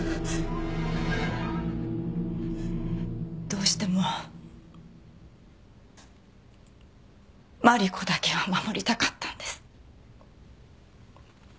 どうしても真梨子だけは守りたかったんです。